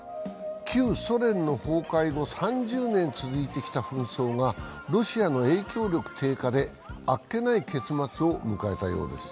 旧ソ連の崩壊後、３０年続いてきた紛争がロシアの影響力低下であっけない結末を迎えたようです。